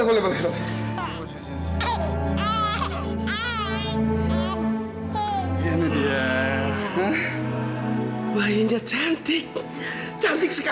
mas apa tidak cukup